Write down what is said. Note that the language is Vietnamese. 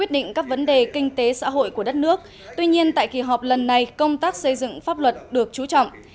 đến đề kinh tế xã hội của đất nước tuy nhiên tại kỳ họp lần này công tác xây dựng pháp luật được trú trọng